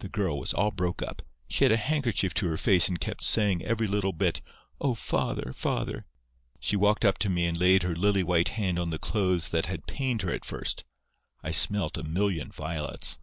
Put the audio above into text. "The girl was all broke up. She had a handkerchief to her face, and kept saying every little bit, 'Oh, father, father!' She walked up to me and laid her lily white hand on the clothes that had pained her at first. I smelt a million violets.